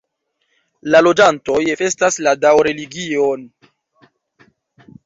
La loĝantoj festas la Dao-religion.